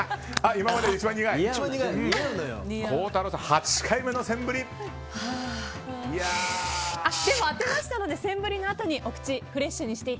今までで一番苦い？